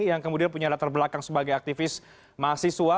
yang kemudian punya latar belakang sebagai aktivis mahasiswa